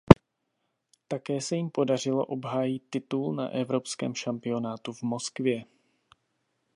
Také se jim podařilo obhájit titul na evropském šampionátu v Moskvě.